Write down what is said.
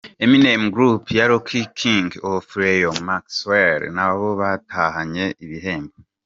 Eminem, Group ya Rock King of Leon na Maxwell nabo batahanye ibihembo.